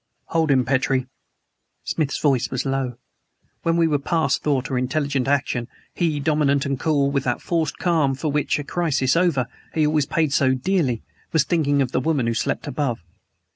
"Hold him, Petrie!" Smith's voice was low. (When we were past thought or intelligent action, he, dominant and cool, with that forced calm for which, a crisis over, he always paid so dearly, was thinking of the woman who slept above.)